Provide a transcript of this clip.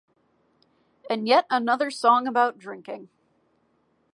And yet another song about drinking.